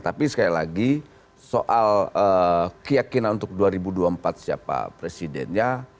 tapi sekali lagi soal keyakinan untuk dua ribu dua puluh empat siapa presidennya